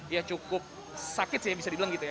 ya cukup sakit sih bisa dibilang gitu ya